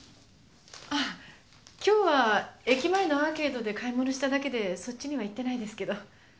ああ今日は駅前のアーケードで買い物しただけでそっちには行ってないですけど。